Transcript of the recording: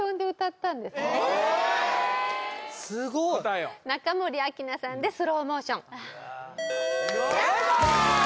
すごい答えを中森明菜さんで「スローモーション」正解！